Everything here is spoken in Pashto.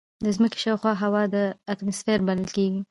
د ځمکې شاوخوا هوا ده چې اتماسفیر بلل کېږي.